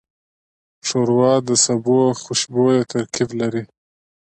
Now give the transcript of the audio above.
ښوروا د سبو خوشبویه ترکیب لري.